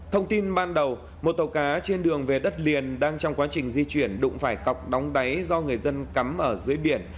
thông tin ban đầu một tàu cá trên đường về đất liền đang trong quá trình di chuyển đụng phải cọc đóng đáy do người dân cắm ở dưới biển